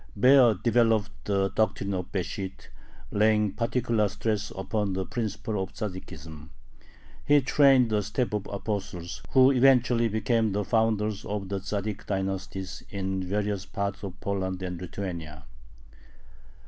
Baer developed the doctrine of Besht, laying particular stress upon the principle of Tzaddikism. He trained a staff of apostles, who eventually became the founders of Tzaddik dynasties in various parts of Poland and Lithuania.